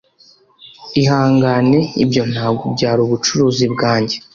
Ihangane ibyo ntabwo byari ubucuruzi bwanjye